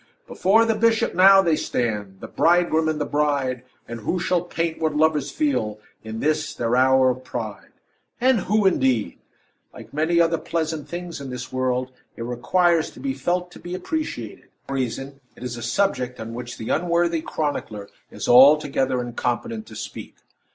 And "Before the bishop now they stand, The bridegroom and the bride; And who shall paint what lovers feel In this, their hour of pride?" Who indeed? Like many other pleasant things is this world, it requires to be felt to be appreciated; and, for that reason, it is a subject on which the unworthy chronicler is altogether incompetent to speak.